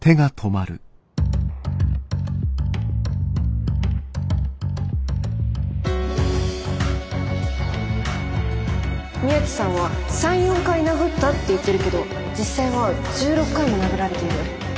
回想宮地さんは３４回殴ったって言ってるけど実際は１６回も殴られてる。